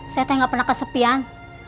saya teh gak pernah kesepian